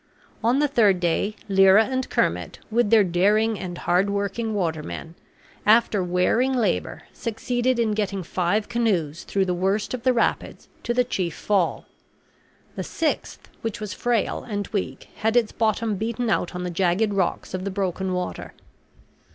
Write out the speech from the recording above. On the third day Lyra and Kermit, with their daring and hard working watermen, after wearing labor, succeeded in getting five canoes through the worst of the rapids to the chief fall. The sixth, which was frail and weak, had its bottom beaten out on the jagged rocks of the broken water.